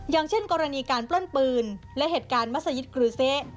อย่างเช่นกรณีการปล้นปืนและเหตุการณ์มัศยิตกรือเซ